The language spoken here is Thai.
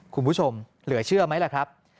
คุณผู้ชมเหลือเชื่อไหมล่ะครับ